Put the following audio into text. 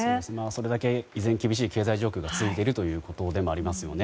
それだけ依然厳しい経済状況が続いているということでもあります。